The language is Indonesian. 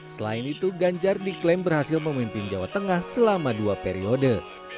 selain itu ganjar diklaim berhasil memimpin jawa tengah selama dua periode